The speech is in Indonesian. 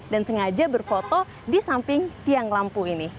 dan sengaja berfoto di samping tiang lampu ini